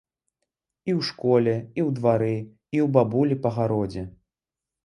І ў школе, і ў двары, і ў бабулі па гародзе.